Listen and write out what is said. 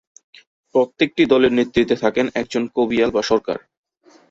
প্রত্যেকটি দলের নেতৃত্বে থাকেন একজন "কবিয়াল" বা "সরকার"।